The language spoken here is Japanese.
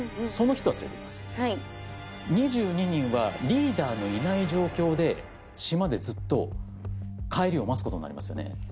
２２人はリーダーのいない状況で島でずっと帰りを待つことになりますよね。